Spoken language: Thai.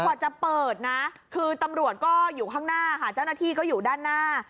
กว่าจะเปิดนะคือตำรวจก็อยู่ข้างหน้าค่ะเจ้าหน้าที่ก็อยู่ด้านหน้า